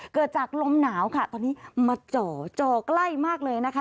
เกิดจากลมหนาวค่ะตอนนี้มาจ่อจ่อใกล้มากเลยนะคะ